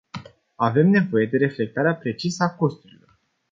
Avem nevoie de reflectarea precisă a costurilor.